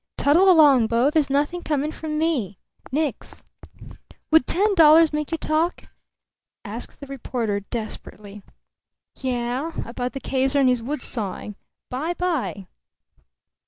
Toddle along, bo; there's nothing coming from me. Nix." "Would ten dollars make you talk?" asked the reporter, desperately. "Ye ah about the Kaiser and his wood sawing. By by!"